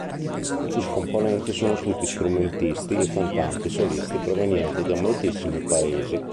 I componenti sono tutti strumentisti e cantanti solisti provenienti da moltissimi paesi.